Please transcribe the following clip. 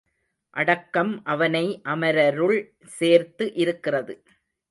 அடக்கம் அவனை அமரருள் சேர்த்து இருக்கிறது.